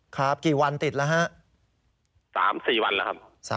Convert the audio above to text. ครับกี่วันติดแล้วฮะ๓๔วันแล้วครับ